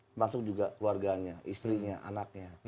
termasuk juga keluarganya istrinya anaknya